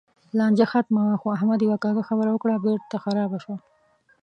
لانجه ختمه وه؛ خو احمد یوه کږه خبره وکړه، بېرته خرابه شوه.